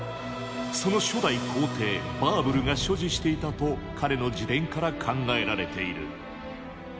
その初代皇帝バーブルが所持していたと彼の自伝から考えられている。